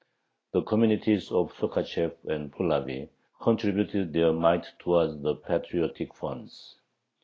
The communities of Sokhachev and Pulavy contributed their mite towards the patriotic funds.